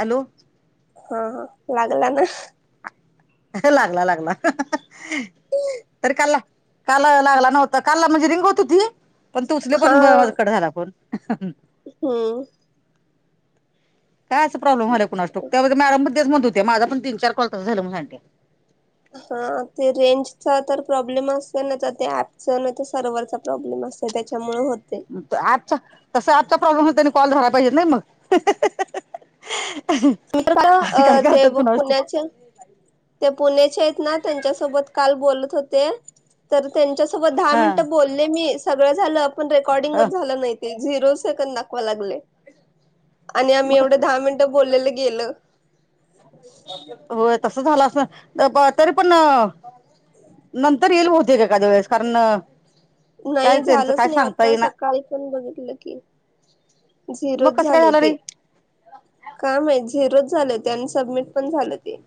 Hello हा ह लागला ना- लागला लागला [inaudible] तर काल लागला नव्हता काल ना म्हणजे रिंग होत हो ती- पण तु उचले पर्यंत माझा कट झाला फोन - हं- काय असं प्रॉब्लेम झाला कोणास‌ ठावुक त्या मॅडम पण तेच म्हणत होत्या माझ पण तीन चार काॅल तसंच झाल [inaudible] हा ते रेंजचा तर- प्रॉब्लेम असत ना तर ॲप चा नाही तर सर्व्हरचा प्रॉब्लेम असत त्याच्यामुळे होते - आजचा तसं आजचा प्रॉब्लेम हो त्यांनी कॉल झाला पाहिजे नाही मग- [inaudible] त काय ते करतात कुणास ठाऊक पुण्याचे ते पुण्याचे- त्यांच्यासोबत काल बोलत होते तर त्यांच्यासोबत दहा हा मिनिट बोलले मी- सगळ झालं आपण रेकॉर्डिंगच हा झाल नाही झिरो सेकंद दाखवा लागले- आणि आम्ही मग एवढं दहा मिनटं बोललेलं गेलं होय तस झालं अस तरी पण- नंतर येईल बहुतेक एखाद्या वेळेस कारण काय नाही त्यांचं झालंच काय नाही सांगता आता येईना सकाळी पण बघितलं की- मग झिरो कसं काय झाले झालं रे ते काय माहित - झिरो झाले ते आणि सबमिट पण झालं ते-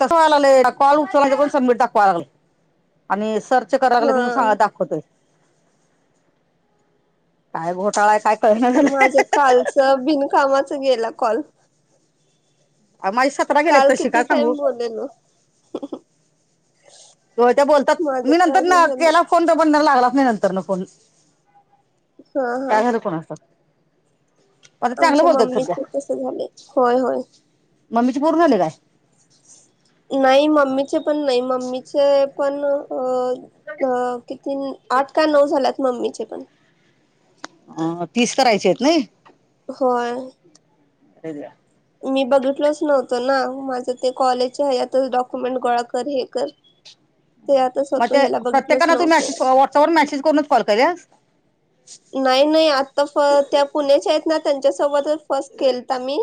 तसंच व करा हा सांग दाखवतोय काय घोटाळा काय- कळना माझ झालं कालच बिनकामाच गेला कॉल. माझी सतरा गेल्यात काल तशी काय किती सांगु? टाइम बोललेलो होय त्या बोलतात, माझं मी तर नंतर न अजून झालं केला फोन तो पण लागलाच नाही नंतरन फोन. हा हा काय झालं कोणाच आमच्या मम्मीचं तस झालंय होय होय. मम्मीचे पूर्ण झाले काय? नाही मम्मीचे पण नाही, मम्मीचे पण अ अ किती आठ का नऊ झाल्यात मम्मीचे पण अ तीस करायचे आहेत नई? होय. अरे देवा! मी बघितलोच नव्हतो ना, माझं ते कॉलेज हेज्यातच डॉक्युमेंट गोळा कर हे कर [inaudible] ते आताच मग होतो ते ह्याला बघितलंच प्रत्येकाना तू मसेज नव्हतं व्हॉट्सअपवर मेसेज करूनच कॉल केल्यास? नाही नाही आता फ त्या पुण्याच्या आहेत ना त्यांच्यासोबत फस्ट केेलता मी.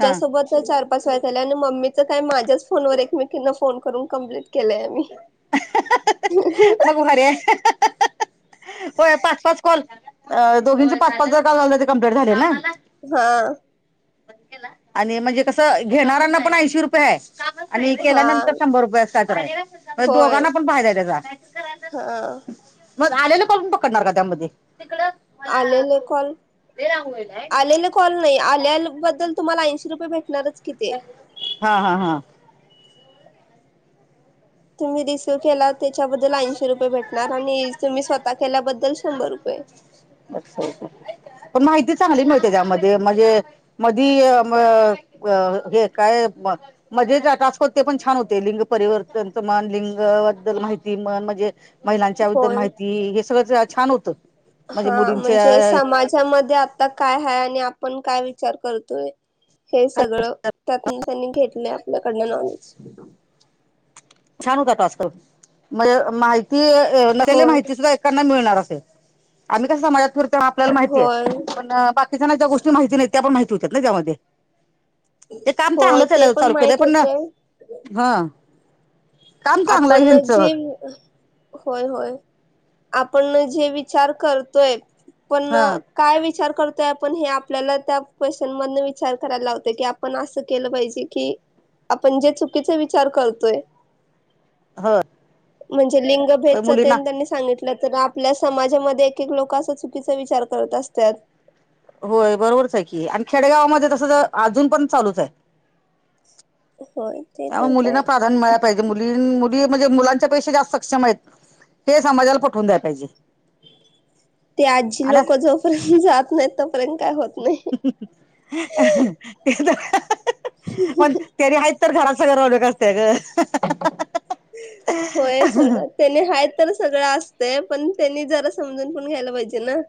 हा चार पाच व त्याला आणि मम्मीच काय माझ्याच फोनवर एकमेकीना फोन करून कंप्लीट केलंय मी. मग भारी आहे. होय पाच पाच कॉल, दोघींचे पाच पाच जर का झाले तर कंप्लीट झाले ना. हा. आणि म्हणजे कसं घेणाऱ्यांना पण ऐंशी रुपये आहे. आणि हा केल्यानंतर शंभर रुपये असत होय दोघांना पण फायदा आहे त्याचा. हा मग आलेलं काॅल पण पकडणार का त्यामध्ये? आलेले कॉल आलेले कॉल नाही आल्याबद्दल तुम्हाला ऐंशी रुपये भेटणारच. कि ते. हा हा हा. तुम्ही रिसिव्ह केला त्याच्याबद्दल ऐंशी रुपये भेटणार, आणि तुम्ही स्वतः केल्याबद्दल शंभर रुपये. पण माहितीत चांगली मि त्यामध्ये म्हणजे मदी हे काय म्हणजे जे टास्क होते ते पण छान होते, लिंग परिवर्तनच म्हण लिंगबद्दल माहिती म्हण म्हणजे महिलांच्याबद्दल होय माहिती हे सगळं छान होतं. म्हणजे हा म्हणजे मुलींच्या समाजामध्ये आता काय हाय आणि आपण काय विचार करतोय. हे सगळं त्यातन त्यांनी घेतलं आपल्याकडनं नॉलेज. छान होता टास्क, म्हणजे माहिती नसलेली होय माहिती सुद्धा एकेकाना मिळणार आम्ही कसं समाजात फिरतो ना आपल्याला माहिती होय आहे पण बाकीच्यांना ज्या गोष्टी माहिती नाहीत त्यापण माहि ती हुत्यात ना त्यामध्ये ते काम होय ते चांगलं चालू केलं माहित पण होतय हा काम चांगलं आपण आहे ह्यांचं जे होय होय आपण जे विचार करतोय पण हा काय विचार करतोय आपण हे आपल्याला त्या क्वेशन मधंन विचार करायला लावतय, की आपण असं केलं पाहिजे की आपण जे चुकीचा विचार करतोय हो. म्हणजे लिंगभेदच तेन त्यांनी सांगित ल तर आपल्या समाजामध्ये एक एक लोक असा चुकीचा विचार करत असत्यात. होय बरोबरच आहे की, आणि खेडगावामध्ये तसं अजून पण चालूचं आहे. [inaudible] होय ते त्या तर मुलींना काय प्राधान्य मिळाय पाहिजे, मुली म्हणजे मुलांच्या पेक्षा जास्त सक्षम आहेत हे समाजाला पटवून द्याय पाहिजे. ते आजी लोक आणि जोपर्यंत जात नाहीत तोपर्यंत काय होत नाही. ते तर पण त्यानी आहेत तर घरात सखल रोनक असत्या गं. होय सगड त्याने हाय तर सगळं अस ते पण त्यांनी जरा समजून पण घ्यायला पाहिजे ना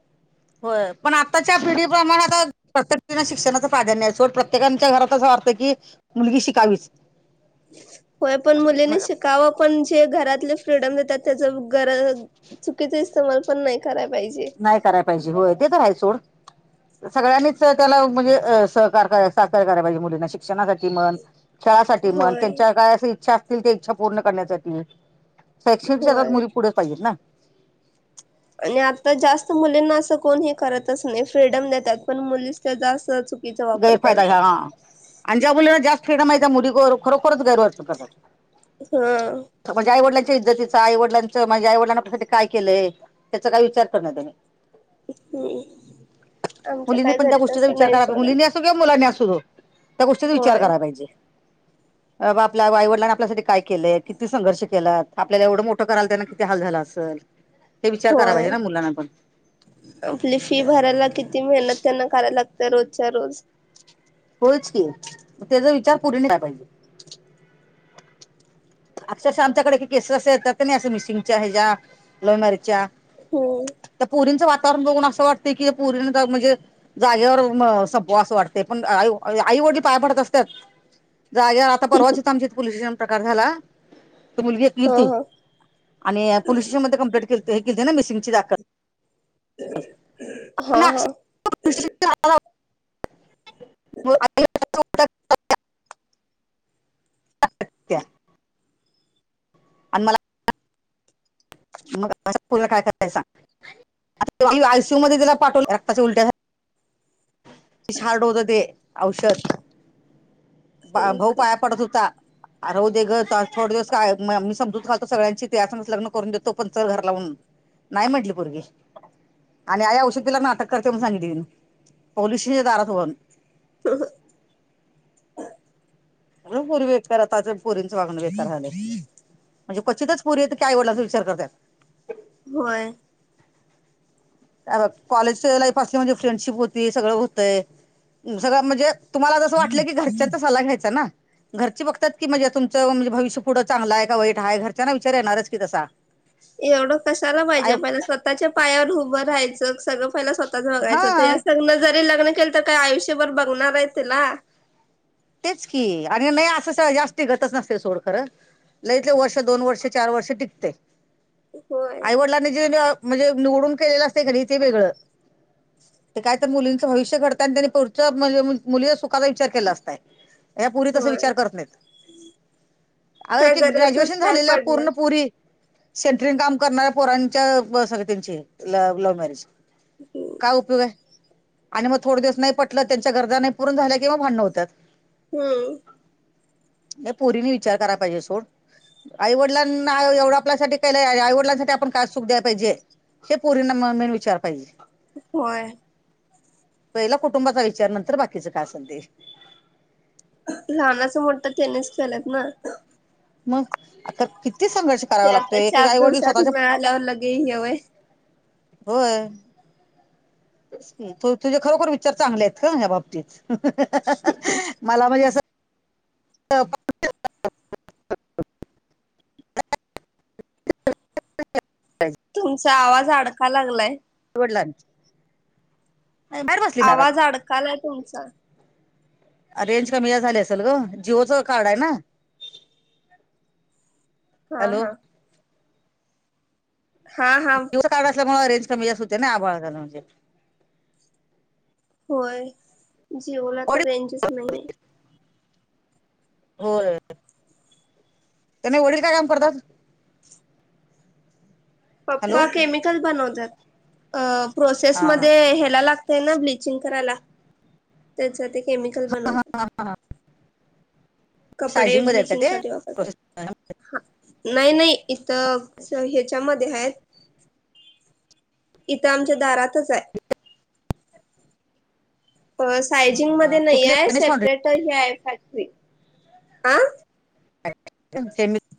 हो पण आताच्या पिढी प्रमाण आता प्रत्येक शिक्षणाचं प्राधान्य सट प्रत्येकाच्या घरातच की मुलगी शिकावीच होय पण मुलीनी शिकाव पण जे घरातले फ्रीडम देतात त्याच गर चुकीचा इस्तमाल पण नाही करायला पाहिजे नाही कराय पाहिजे होय तेेत आहेय सोड सगळ्यांनीच त्याला म्हणजे सहकार सहकार्य कराय पाहिजे मुलींना शिक्षणासाठी मण खेळासाठी मग होय त्यांच्या काय इच्छा असतील त्या इच्छा पूर्ण करण्यासाठी शैक्षणिकच्याात होय. मुली पुढे पाहिजेत ना आणि आता जास्त मुलींना असं कोण हे करतच नाही फ्रीडम देतात पण मुली जास्त चुकीचा वापर गैरफायदा करतात. घ्या हा आणि ज्या बना जास्त ्री माहिती्या मुली खरोखरच गैर वाटतो क हा इतीच आईवडलांच म्हणजे आईवडलांसाठी काय केलंय त्याचा काही विचार करण त्यांनी हम्म आमच्या काय घरी त असं नाहीच मुलीनी असो किंवा मुलांनी असू त्या गोष्टीचा विचार होय करायला पाहिजे आपल्या आई वडिलांने आपल्यासाठी काय केलंय किती संघर्ष केलात आपल्याला एवढं मोठं कराला त्यांना किती हाल झाला असेल हे विचार कराय होय पाहिजे ना मुलांना पण आपली फी भरायला किती मेहनत त्यांना करायला तरोच रोज होयच की त्याचा विचार पुरीनी नला पाहिजे अक्षरशः आमच्याकडे केस अस येतात नाही असं मिसिंगच्या ह्याच्या्या लोईमारीच्या होम पुरींचं वातावरण बघून असं वाटते की पुरी म्हणजे जागेवर संपवाव असं वाटते पण आई वडील पाया पडत असतात जाग्या आता परवाच आमच्या पोलिस स्टेशन प्रकार झाला ती मुलगी घेतली हा ती हा आणि पोलीस स्टेशन म कंप्लेंट हे किती ना मिसिंगची दाखल हा हा [unintelligible] [unintelligible] अच का आणि मला मग असं पुढे काय करायच आयसीयू मध्ये त्याला पाठवलं रक्ताच्या उलट्या विशारडोद दे औषध भाऊ पाया पडत होता अर हो दे ग थोड दिवस काय मी समजूत घालतो सगळ्यांची तेच लग्न करून देतो पणच घर लावून नाही म्हटली पोरगी आणि आई औषध पिलाना अटक करते म्हण सांगितली पोलीसच्या दारात होन [inaudible] पुरी बेकार आता पुरींचं वागण बेकार झाले म्हणजे क्चितच पुरी आहे आईवडील वलाचा विचार करतात होय कॉलेज लाईफ असली म्हणजे फ्रेंडशिप होती सगळं होतंय सगळं म्हणजे तुम्हाला जसं वाटलं की घरच्यांचा सल्ला घ्यायचा ना घरची बघतात की म्हणजे तुमचं म्हणजे भविष्य पुढं चांगलं आहे का वाईट ह आहे घरच्यांना विचार येणारच की तसा एवढं कशाला आय पाहिजे मला स्वतःच्या पायावर उभं राहायचं सगळं स्वतच हा बघायचं जरी लग् ल तर काय आयुष्यभर बघणार आहे ते ना तेच की आणि नाही असं जास्त गतच नसते सोड खरं लईतले वर्ष दोन वर्ष चार वर्ष टिकते होय आईवडिलांना जे म्हणजे निवडून केलेलं असतय कि नाही? तेे वेगळं. ते काय तर मुलींचं भविष्य घडतंय आणि त्यांनी पोटच्या मुली मुलीये सुखाचा विचार केला असता. या पोरी तसा होय विचार करत नाहीत. काय अये ग्रॅज्युएशन गरजच काय झालेलं पडलं पूर्ण पोरी सेंट्रिन काम करणाऱ्या पोरांच्या [unintelligible] त्यांचे लव्ह मॅरेज. काय उपयोग आहे. आणि मग थोड दिवस नाही पटलं, त्यांच्या गरजा नाही पूर्ण झाल्या, कि भांडण होत्यात. हम्म नाही पोरीने विचार कराय पाहिजे सोड. आईवडिलांना एवढं आपल्यासाठी केलंय. आईवडिलांसाठी आपण काय सुख द्याय पाहिजे. हे पोरींना [unintelligible] विचार पाहिजे. होय पहिला कुटुंबाचा विचार नंतर बाकीच काय असन ते. लहानाचं मोठं टेनिस खेलत ना? मग आता किती संघर्ष ते करावा आता लागतोय. एक एक चार आई वडील दिवसात स्वतःच्या मिळाल्यावर लगे हे व्हय होय. तुझे खरोखर विचार चांगले आहेत गं हया बाबतीत. हा हा हा मला म्हणजे असं [unintelligible] ह [unintelligible] तुमचा आवाज अडकाय लागलाय. [unintelligible] बसली आवाज घरात अडकालाय तुमचा. रेंज कमी झाली असेल ग, जिओचं कार्ड आहे ना. [inaudible] हा हॅलो हा हा हा दिवसच काळं असल्यामुळे रेंज कमी जास्त होते ना आबाळ झालं म्हणजे. होय, जीओला तर वडील रेंजच नाहीये. होय त्यांना वडील काय काम करतात? पप्पा हॅलो केमिकल बनवत्यात, हा हा प्रोसेसमध्ये ह्याला लागतय ना जीन कराला त्यांचं ते केमिकल बनवता. सायझिंग मधे आहे का ते? साठी वापरतात. प्रोसेस [unintelligible] नाही नाही इथ ह्याच्यामध्ये हायेत. इथं आमच्या दारातच हाय. सायजिंग हा, मध्ये नाही कुठली हाय गणेश फाउंड्री सेपरेट हे हाय फॅक्टरी. आं? [unintelligible] तुमचे मि - -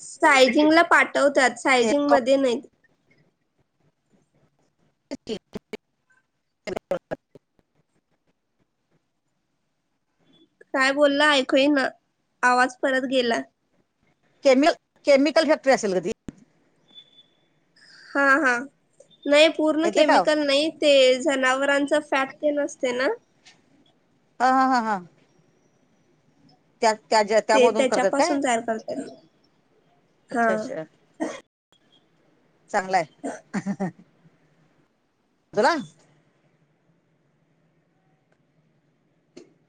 सायझिंगला पाठत्यात, सायजिंग मदे नाही. [inaudible] [unintelligible] काय बोलला ऐकू येईना, आवाज परत गेला. केमि केमिकल फॅक्टरी असेल गं ती. हां हां नाही, पूर्ण येते का केमिकल नाही तेज जनावरांचा फॅट ते नसते ना? हा हा हा हं ते त्यामधून करतात काय त्याच्यापासून तयार करत्यात. अच्छा हा. चांगलाय हं हं [unintelligible]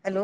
हॅलो